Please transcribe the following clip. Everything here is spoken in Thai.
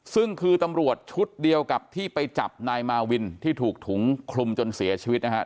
ซึ่งคือตำรวจชุดเดียวกับที่ไปจับนายมาวินที่ถูกถุงคลุมจนเสียชีวิตนะครับ